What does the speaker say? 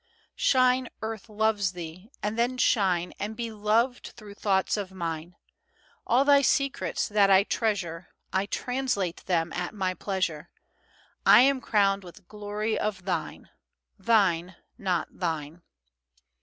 Shine, Earth loves thee! And then shine And be loved through thoughts of mine. All thy secrets that I treasure I translate them at my pleasure. I am crowned with glory of thine. Thine, not thine.